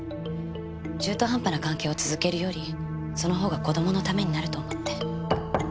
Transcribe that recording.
中途半端な関係を続けるよりその方が子供のためになると思って。